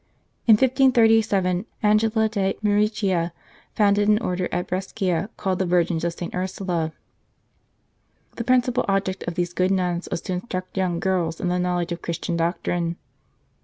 In 1537 Angela de Mericia founded an Order at Brescia called the Virgins of St. Ursula. The principal object of these good nuns was to instruct young girls in the knowledge of Christian doctrine.